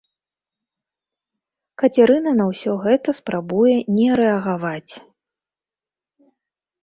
Кацярына на ўсё гэта спрабуе не рэагаваць.